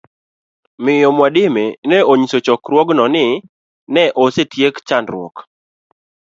Miyo Mwadime ne onyiso chokruogno ni ne osetiek chandruok